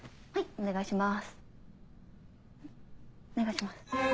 お願いします。